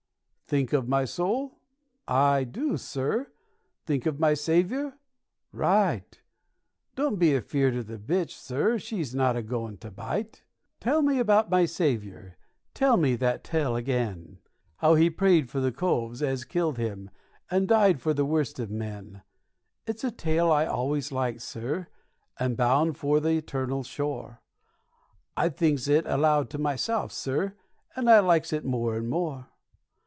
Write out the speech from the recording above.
Think of my soul? I do, sir. Think of my Saviour? Right! Don't be afeard of the bitch, sir; she's not a goin' to bite. Tell me about my Saviour tell me that tale agen, How he prayed for the coves as killed him, and died for the worst of men. It's a tale as I always liked, sir; and bound for the 'ternal shore, I thinks it aloud to myself, sir, and I likes it more and more.